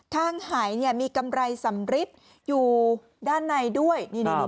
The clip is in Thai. ทางหายมีกำไรสำริปอยู่ด้านในด้วย